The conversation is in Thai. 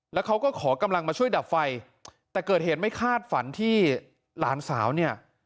แล้วเขาก็ขอกำลังมาช่วยดับไฟแต่เกิดเหตุไม่คาดฝันที่หลานสาวเนี่ย